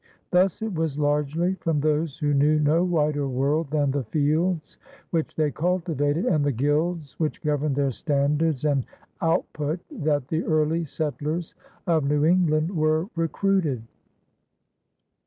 Thus it was largely from those who knew no wider world than the fields which they cultivated and the gilds which governed their standards and output that the early settlers of New England were recruited.